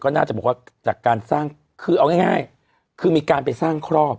น่าจะบอกว่าจากการสร้างคือเอาง่ายคือมีการไปสร้างครอบ